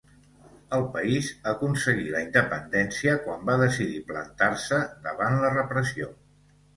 El país aconseguí la independència quan va decidir plantar-se davant la repressió.